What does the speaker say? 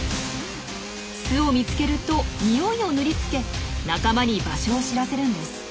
巣を見つけると匂いを塗りつけ仲間に場所を知らせるんです。